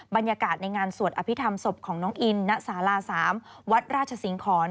บรรยากาศในงานสวดอภิษฐรรมศพของน้องอินณศาลา๓วัดราชสิงหอน